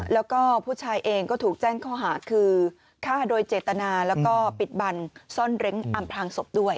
แล้วก็ผู้ชายเองก็ถูกแจ้งข้อหาคือฆ่าโดยเจตนาแล้วก็ปิดบันซ่อนเร้นอำพลางศพด้วย